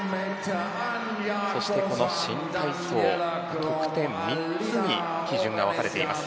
そしてこの新体操得点、３つに基準が分かれています。